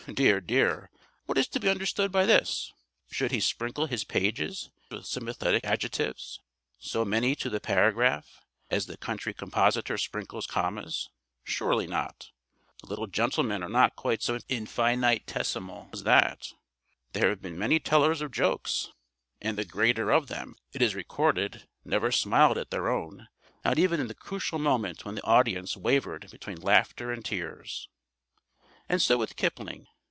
Dear! Dear! What is to be understood by this? Should he sprinkle his pages with sympathetic adjectives, so many to the paragraph, as the country compositor sprinkles commas? Surely not. The little gentlemen are not quite so infinitesimal as that. There have been many tellers of jokes, and the greater of them, it is recorded, never smiled at their own, not even in the crucial moment when the audience wavered between laughter and tears. And so with Kipling.